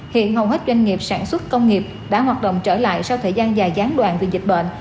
hiện hầu hết doanh nghiệp sản xuất công nghiệp đã hoạt động trở lại sau thời gian dài gián đoạn vì dịch bệnh